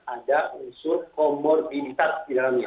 ada unsur komorbiditas di dalamnya